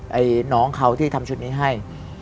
ไอ้น้องเขาที่ทำชุดนี้ให้